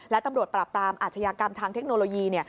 และตำรวจปราบปรามอาชญากรรมทางเทคโนโลยี